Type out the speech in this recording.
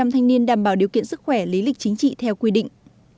một trăm linh thanh niên đảm bảo điều kiện sức khỏe lý lịch chính trị theo quy định